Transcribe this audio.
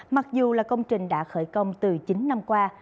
mặc dù là công trình đã khởi công từ chín năm qua